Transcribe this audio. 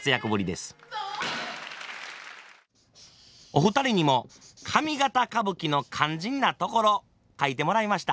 お二人にも上方歌舞伎の肝心なところ書いてもらいました。